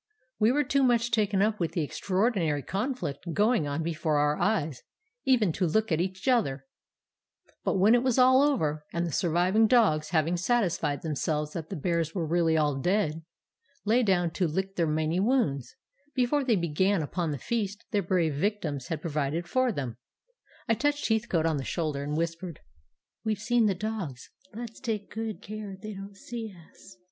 We were too much taken up with the extraordinary conflict going on before our eyes even to look at each other: but when it was all over, and the surviving dogs, having satisfied themselves that the bears were really all dead, lay down to lick their many wounds before they began upon the feast their brave victims had provided for them, I touched Heathcote on the shoulder, and whispered,— "'We've seen the dogs; let's take good care they don't see us.